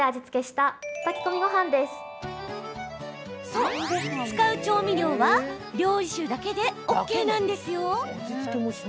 そう、使う調味料は料理酒だけでＯＫなんです。